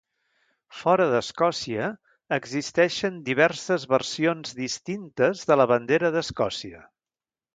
Fora d'Escòcia existeixen diverses versions distintes de la bandera d'Escòcia.